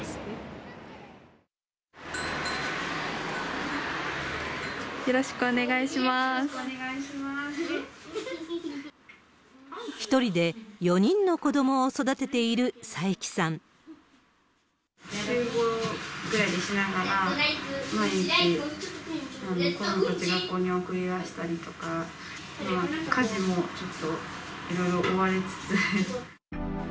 週５ぐらいでしながら、毎日、子どもたちを学校に送り出したりとか、家事もちょっといろいろ追われつつ。